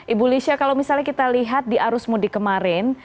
ibu lisha kalau misalnya kita lihat di arus mudik kemarin